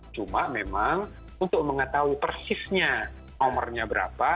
cuma memang untuk mengetahui persisnya nomornya berapa